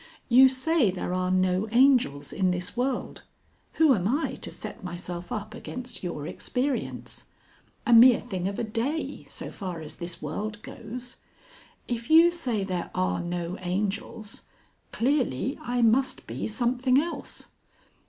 You say there are no angels in this world. Who am I to set myself up against your experience? A mere thing of a day so far as this world goes. If you say there are no angels clearly I must be something else.